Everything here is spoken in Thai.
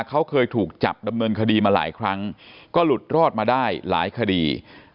เขาเคยถูกจับดำเนินคดีมาหลายครั้งก็หลุดรอดมาได้หลายคดี